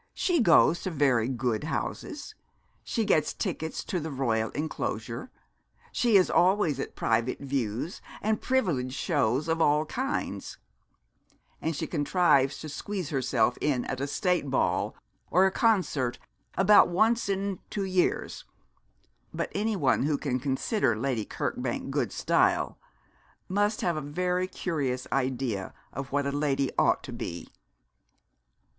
'She goes to very good houses. She gets tickets for the Royal enclosure. She is always at private views, and privileged shows of all kinds; and she contrives to squeeze herself in at a State ball or a concert about once in two years; but any one who can consider Lady Kirkbank good style must have a very curious idea of what a lady ought to be.'